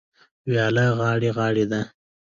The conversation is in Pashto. وياله غاړې غاړې ده.